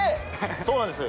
そうなんです